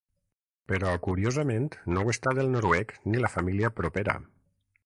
Però curiosament no ho està del noruec ni la família propera.